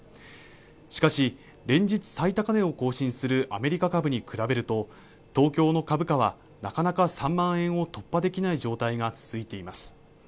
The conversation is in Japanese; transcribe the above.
しかし連日最高値を更新するアメリカ株に比べると東京の株価はなかなか３万円を突破できない状態が続いています